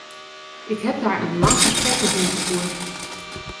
Ik heb daar een lang gesprek met hem gevoerd.